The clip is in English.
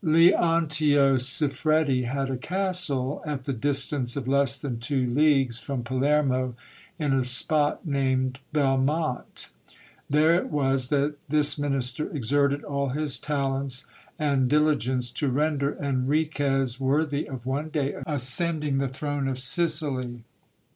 Leontio Siffredi had a castle at the distance of less than two leagues from Palermo, in a spot named Belmonte. There it was that this minister exerted all his talents and diligence, to render Enriquez worthy of one day ascending the throne of Sicily.